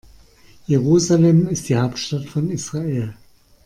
Jerusalem ist die Hauptstadt von Israel.